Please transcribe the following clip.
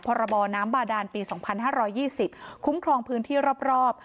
พรบน้ำบาดานปีสองพันห้าร้อยยี่สิบคุ้มครองพื้นที่รอบรอบ